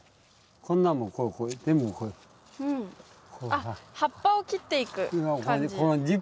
あっ葉っぱを切っていく感じ。